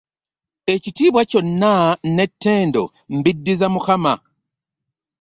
Ekitiibwa kyonna ne ttendo mbiddiza Mukama.